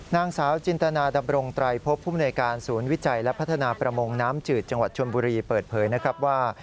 นางสาวจินตนาดำรงไตรพบภูมิในการศูนย์วิจัยและพัฒนาประมงน้ำจืดจังหวัดชนบุรีเปิดเผยนะครับว่า